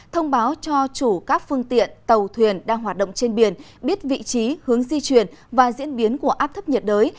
thông báo cho chủ các phương tiện tàu thuyền đang hoạt động trên biển biết vị trí hướng di chuyển và diễn biến của áp thấp nhiệt đới